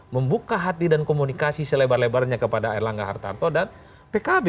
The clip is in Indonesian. membuka hati dan komunikasi selebar lebarnya kepada erlangga hartarto dan pkb